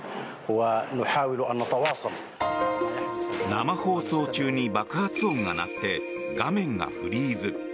生放送中に爆発音が鳴って画面がフリーズ。